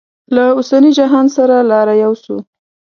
له اوسني جهان سره لاره یوسو.